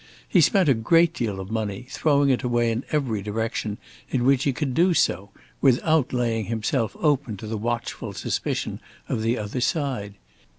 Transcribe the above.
He spent a great deal of money, throwing it away in every direction in which he could do so, without laying himself open to the watchful suspicion of the other side.